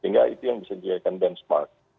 sehingga itu yang bisa dijadikan benchmark